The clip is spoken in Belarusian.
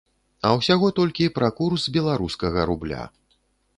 А ўсяго толькі пра курс беларускага рубля.